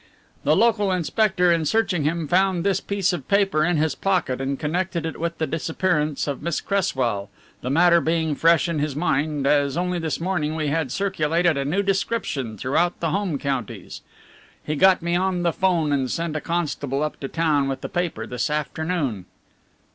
The local inspector in searching him found this piece of paper in his pocket and connected it with the disappearance of Miss Cresswell, the matter being fresh in his mind, as only this morning we had circulated a new description throughout the home counties. He got me on the 'phone and sent a constable up to town with the paper this afternoon."